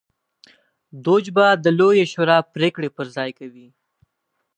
دوج به د لویې شورا پرېکړې پر ځای کوي.